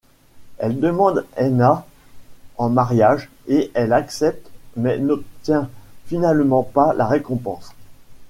Il demande Edna en mariage et elle accepte, mais n'obtient finalement pas la récompense.